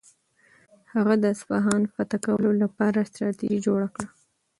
هغه د اصفهان فتح کولو لپاره ستراتیژي جوړه کړه.